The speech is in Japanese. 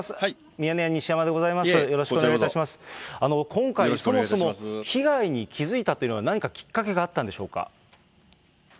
今回、そもそも被害に気付いたというのは何かきっかけがあったんでしょうか。